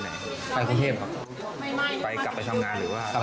แต่คือรู้สึกตอนที่กล้ามกรอบโรนกรอบแล้วครับ